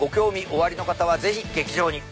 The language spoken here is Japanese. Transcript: おありの方はぜひ劇場に！